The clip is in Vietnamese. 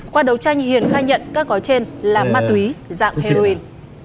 qua đấu tranh hiền khai nhận các gói trên là ma túy dạng heroin